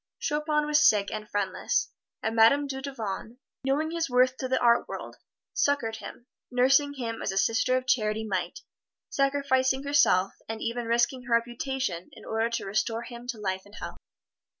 Chopin was sick and friendless, and Madame Dudevant, knowing his worth to the art world, succored him nursing him as a Sister of Charity might, sacrificing herself, and even risking her reputation in order to restore him to life and health.